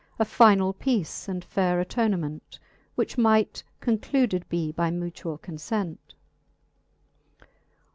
Of finall peace and faire attonement, Which might concluded be by mutuall confent.